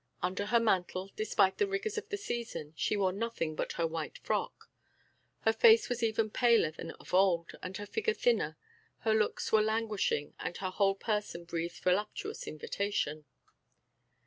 Under her mantle, despite the rigours of the season, she wore nothing but her white frock; her face was even paler than of old, and her figure thinner; her looks were languishing, and her whole person breathed voluptuous invitation.